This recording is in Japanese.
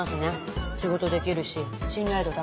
仕事できるし信頼度高いし。